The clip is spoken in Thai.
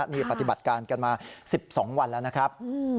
นี่ปฏิบัติการกันมา๑๒วันแล้วนะครับ